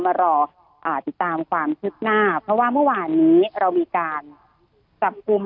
มารออ่าติดตามความคืบหน้าเพราะว่าเมื่อวานนี้เรามีการจับกลุ่ม